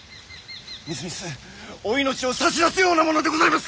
みすみすお命を差し出すようなものでございます！